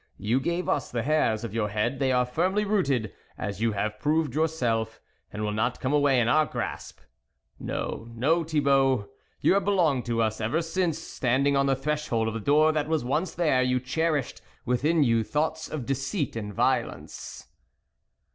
You gave us the hairs of your head ; they are firmly rooted, as you have proved yourself and will not come away our grasp. ... No, no, Thibault, you have belonged to us ever since, stand ing on the threshold of the door that was once there, you cherished within you thoughts of deceit and violence."